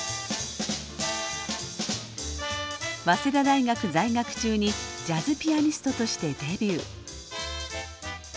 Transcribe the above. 早稲田大学在学中にジャズピアニストとしてデビュー。